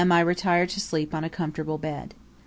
I retired to sleep on a comfortable bed.